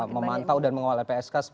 memantau dan mengawal epsk